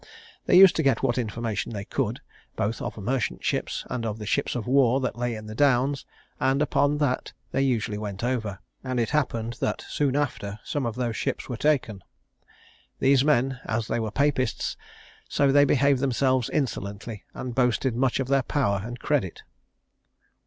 They used to get what information they could, both of merchant ships and of the ships of war that lay in the Downs, and upon that they usually went over; and it happened that soon after some of those ships were taken. These men, as they were Papists, so they behaved themselves insolently, and boasted much of their power and credit.